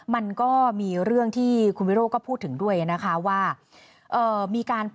มันก็มีเรื่องที่คุณวิโรธก็พูดถึงด้วยนะคะว่ามีการ